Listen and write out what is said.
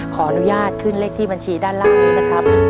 ขออนุญาตขึ้นเลขที่บัญชีด้านล่างนี้นะครับ